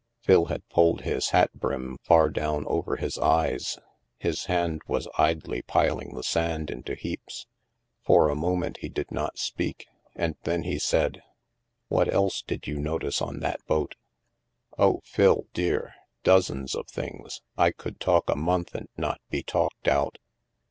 Phil had pulled his hat brim far down over his eyes. His hand was idly piling the sand into heaps. For a moment he did not speak, and then he said :" What else did you notice on that boat ?" HAVEN 287 " Oh, Phil dear, dozens of things. I could talk a month and not be talked out."